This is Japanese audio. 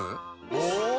お！